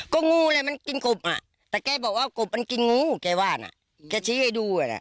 ก็งูเลยมันกินกบแต่ไก่บอกว่ากบมันกินงูไก่ว่านะไก่ชี้ให้ดู